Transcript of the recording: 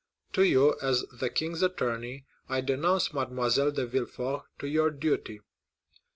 To you, as the king's attorney, I denounce Mademoiselle de Villefort, do your duty."